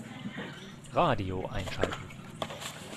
Radio einschalten.